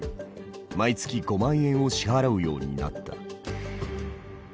毎月５万円を支払うようになった。